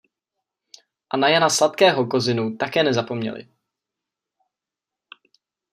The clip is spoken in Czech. A na Jana Sladkého Kozinu také nezapomněli.